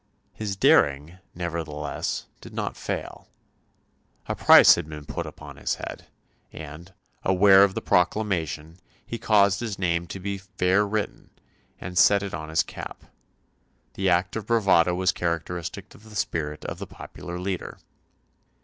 His daring, nevertheless, did not fail. A price had been put upon his head, and, aware of the proclamation, he caused his name to be "fair written," and set it on his cap. The act of bravado was characteristic of the spirit of the popular leader.